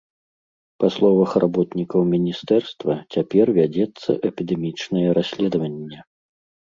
Па словах работнікаў міністэрства, цяпер вядзецца эпідэмічнае расследаванне.